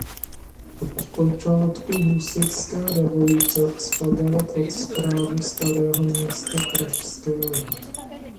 Od počátku husitské revoluce spadala pod správu Starého Města pražského.